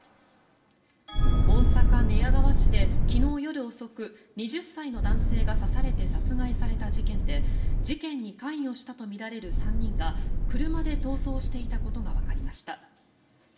大阪・寝屋川市で昨日夜遅く２０歳の男性が刺されて殺害された事件で事件に関与したとみられる３人が車で逃走していたことがわかりました。